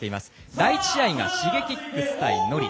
第１試合がＳｈｉｇｅｋｉｘ対ＮＯＲＩ